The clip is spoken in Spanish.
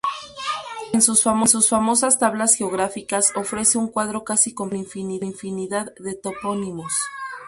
En sus famosas tablas geográficas ofrece un cuadro casi completo con infinidad de topónimos.